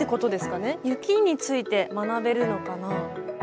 雪について学べるのかな？